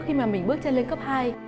khi mà mình bước chân lên cấp hai